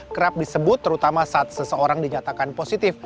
kerap disebut terutama saat seseorang dinyatakan positif